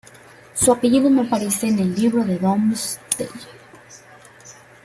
Su apellido no aparece en el libro de Domesday.